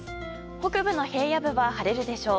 北部の平野部は晴れるでしょう。